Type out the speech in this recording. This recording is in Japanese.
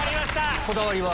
こだわりは？